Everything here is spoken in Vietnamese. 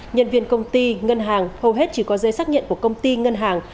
nhân viên công ty ngân hàng hầu hết chỉ có giấy xác nhận của công ty ngân hàng